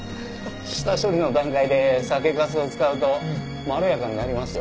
下処理の段階で酒粕を使うとまろやかになりますよ。